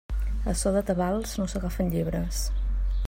A so de tabals no s'agafen llebres.